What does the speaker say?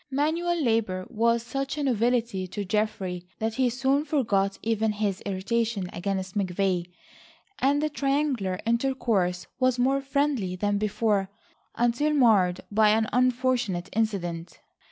Manual labour was such a novelty to Geoffrey that he soon forgot even his irritation against McVay and the triangular intercourse was more friendly than before, until marred by an unfortunate incident.